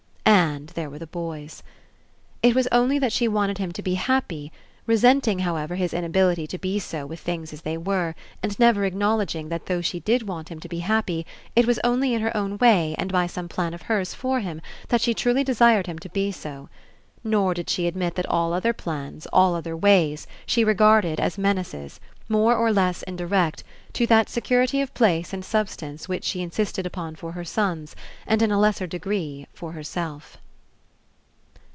And there were the boys. It was only that she wanted him to be happy, resenting, however, his inability to be so with things as they were, and never acknowl edging that though she did want him to be happy. It was only In her own way and by some plan of hers for him that she truly desired him to be so. Nor did she admit that all other plans, all other ways, she regarded as menaces, more or less Indirect, to that security of place and substance which she Insisted upon for her sons and in a lesser degree for herself.